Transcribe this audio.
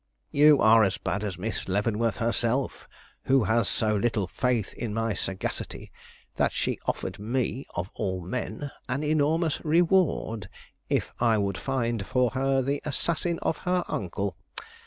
You are as bad as Miss Leavenworth herself, who has so little faith in my sagacity that she offered me, of all men, an enormous reward if I would find for her the assassin of her uncle!